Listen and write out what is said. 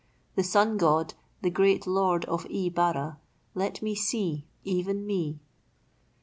"The Sun God—the great Lord of E Bara. Let me see; even me."